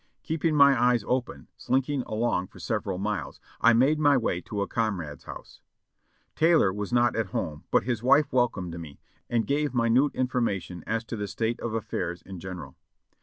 Keeping my eyes open, slinking along for several miles, I made my way to a comrade's house. EN ROUTE 609 Taylor was not at home, but his wife welcomed me and gave mi nute information as to the state of affairs in general.